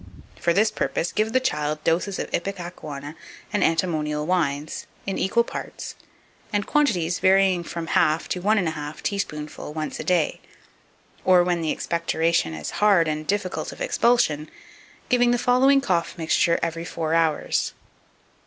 For this purpose, give the child doses of ipecacuanha and antimonial wines, in equal parts, and quantities varying from half to one and a half teaspoonful once a day, or, when the expectoration is hard and difficult of expulsion, giving the following cough mixture every four hours.